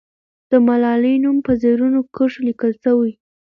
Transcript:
د ملالۍ نوم په زرینو کرښو لیکل سوی.